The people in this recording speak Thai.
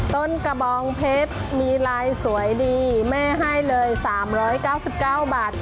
กระบองเพชรมีลายสวยดีแม่ให้เลย๓๙๙บาท